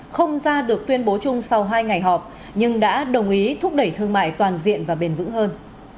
không ra được tuyên bố chung sau hai ngày họp nhưng đã đồng ý thúc đẩy thương mại toàn diện và bền vững hơn